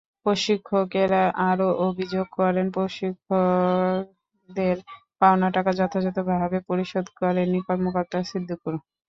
প্রশিক্ষকেরা আরও অভিযোগ করেন, প্রশিক্ষকদের পাওনা টাকাও যথাযথভাবে পরিশোধ করেননি কর্মকর্তা সিদ্দিকুর।